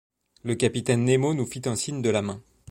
Le capitaine Nemo nous fit un signe de la main.